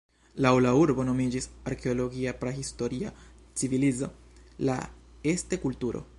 Laŭ la urbo nomiĝis arkeologia prahistoria civilizo, la "Este-kulturo".